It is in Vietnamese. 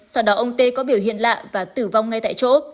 sau đó ông tê có biểu hiện lạ và tử vong ngay tại chỗ